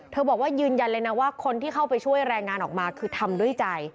บอกว่ายืนยันเลยนะว่าคนที่เข้าไปช่วยแรงงานออกมาคือทำด้วยใจ